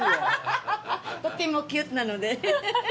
とってもキュートなので。